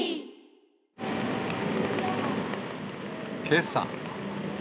けさ。